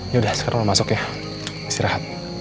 yaudah sekarang lo masuk ya istirahat